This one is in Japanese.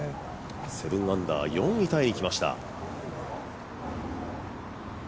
７アンダー４位タイ来ました。